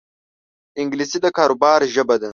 انګلیسي د کاروبار ژبه ده